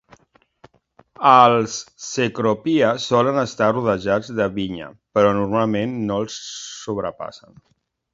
Els cecropia solen estar rodejats de vinya, però normalment no els sobrepassen.